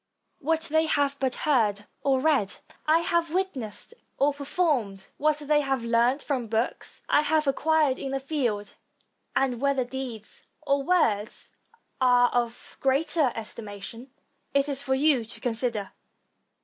What they have but heard or read, I have witnessed or performed. What they have learned from books, I have acquired in the field; and whether deeds or words are of greater estima tion, it is for you to consider.